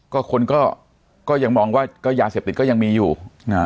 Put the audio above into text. ก็คนก็ก็ยังมองว่าก็ยาเสพติดก็ยังมีอยู่อ่า